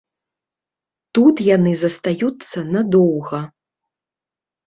Тут яны застаюцца надоўга.